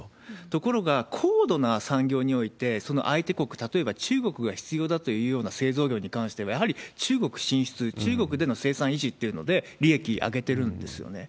ところが高度な産業において、その相手国、例えば中国が必要だというような製造業に関しては、やはり中国進出、中国での生産維持っていうので利益上げてるんですよね。